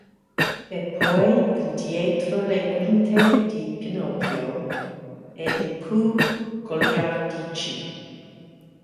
E poi il dietro le quinte di "Pinocchio" e i Pooh goliardici.